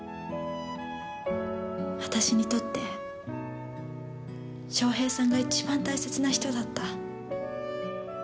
私にとって翔平さんが一番大切な人だった。